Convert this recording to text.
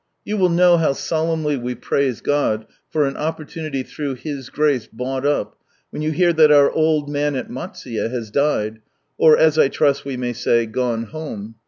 You will know how solemnly we praise God for an opportunity through His grace " bought up," when you hear that our old man at Matsuye has died, or as I trust we may say, gone Home.